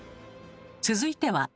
続いては。